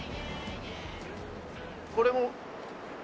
これも。